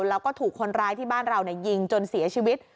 แล้วก็ถูกคนร้ายที่บ้านเรายิงจนเสียชีวิต